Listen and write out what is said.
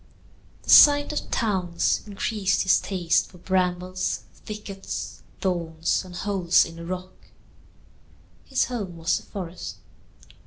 The sight of towns increased his taste for brambles, thickets, thorns, and holes in the rock. His home was the forest.